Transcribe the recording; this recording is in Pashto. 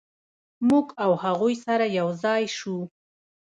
موږ او هغوی سره یو ځای شوو.